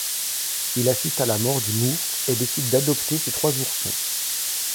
Il assiste à la mort d'une ourse et décide d'adopter ses trois oursons.